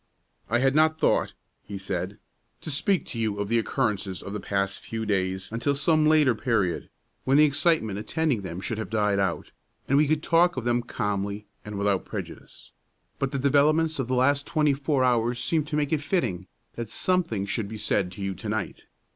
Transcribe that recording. "I had not thought," he said, "to speak to you of the occurrences of the past few days until some later period, when the excitement attending them should have died out, and we could talk of them calmly and without prejudice; but the developments of the last twenty four hours seem to make it fitting that something should be said to you to night.